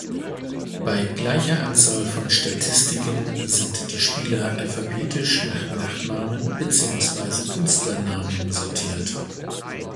Bei gleicher Anzahl von Statistiken sind die Spieler alphabetisch nach Nachnamen beziehungsweise Künstlernamen sortiert.